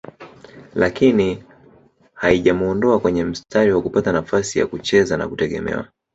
lakini haijamuondoa kwenye mstari wa kupata nafasi ya kucheza na kutegemewa